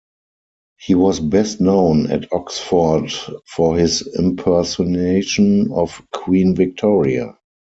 He was best known at Oxford for his impersonation of Queen Victoria.